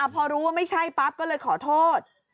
พอรู้ว่าไม่ใช่ปั๊บก็เลยขอโทษ